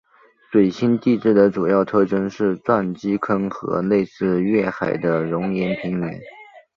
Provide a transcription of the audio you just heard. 水星地质的主要特征是撞击坑和类似月海的熔岩平原。